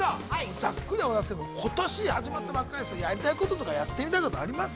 ざっくりですけれども、ことし始まったばかりですけれども、やりたいこととか、やってみたいとかあります？